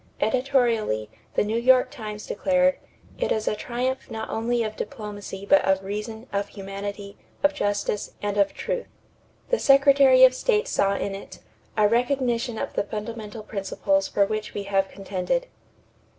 Editorially, the New York Times declared: "It is a triumph not only of diplomacy but of reason, of humanity, of justice, and of truth." The Secretary of State saw in it "a recognition of the fundamental principles for which we have contended."